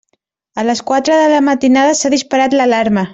A les quatre de la matinada s'ha disparat l'alarma.